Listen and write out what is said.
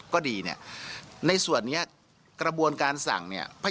ใช่